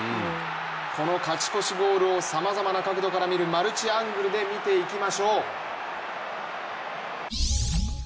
この勝ち越しゴールをさまざまな角度から見るマルチアングルで見ていきましょう。